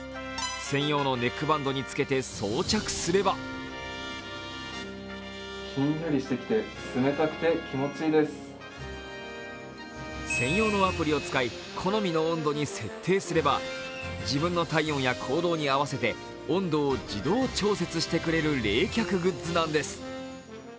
専用のネックバンドにつけて装着すれば専用のアプリを使い、好みの温度に設定すれば自分の体温や行動に合わせて温度を自動調節してくれる冷却グッズなんです。